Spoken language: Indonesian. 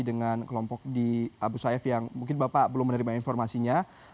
dengan kelompok di abu sayyaf yang mungkin bapak belum menerima informasinya